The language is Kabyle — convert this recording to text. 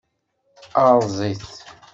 Erẓ-it.